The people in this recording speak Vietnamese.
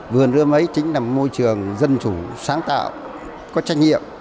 vườn ươm ấy chính là môi trường dân chủ sáng tạo có trách nhiệm